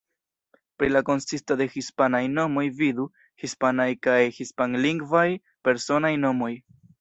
Pri la konsisto de hispanaj nomoj vidu: Hispanaj kaj hispanlingvaj personaj nomoj.